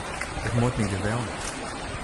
It muoit my geweldich.